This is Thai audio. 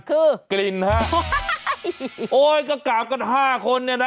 คือกลิ่นฮะโอ้ยก็กราบกันห้าคนเนี่ยนะ